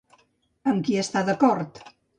Amb qui està d'acord?